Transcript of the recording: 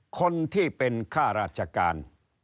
คนที่เป็นค่าราชการ